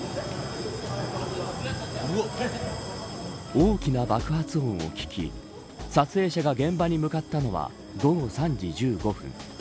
大きな爆発音を聞き撮影者が現場に向かったのは午後３時１５分。